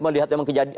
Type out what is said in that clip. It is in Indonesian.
melihat memang kejadian